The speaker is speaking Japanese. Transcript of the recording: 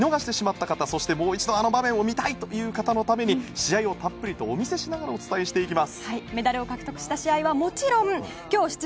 ここからは競技を見逃してしまった方そして、もう一度あの場面を見たいという方のために試合をたっぷりとお見せしながらお伝えします。